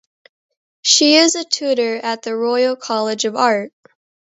She is a Tutor at the Royal College of Art.